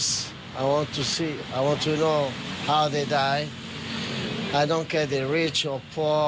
เขารู้สึกว่ามันไม่เป็นธรรมกับเขา